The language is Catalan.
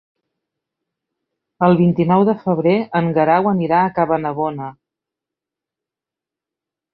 El vint-i-nou de febrer en Guerau anirà a Cabanabona.